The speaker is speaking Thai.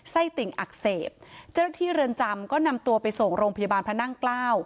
ติ่งอักเสบเจ้าหน้าที่เรือนจำก็นำตัวไปส่งโรงพยาบาลพระนั่งเกล้า